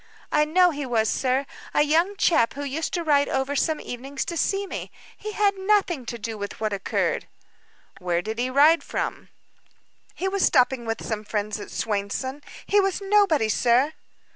"I know he was, sir. A young chap who used to ride over some evenings to see me. He had nothing to do with what occurred." "Where did he ride from?" "He was stopping with some friends at Swainson. He was nobody, sir."